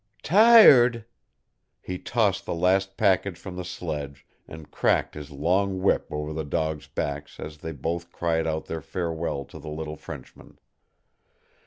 "Tired!" He tossed the last package from the sledge and cracked his long whip over the dogs' backs as they both cried out their farewell to the little Frenchman.